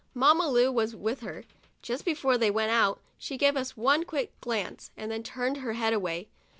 Mamma Lu was with her. Just before they went out, she gave us one quick glance, then turned her head away.